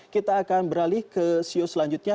kita akan beralih ke siu selanjutnya